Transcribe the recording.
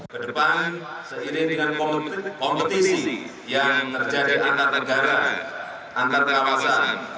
kedepan seiring dengan kompetisi yang terjadi antara negara antara kawasan